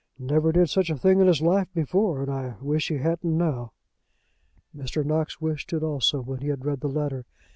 "Never did such a thing in his life before, and I wish he hadn't now." Mr. Knox wished it also when he had read the letter.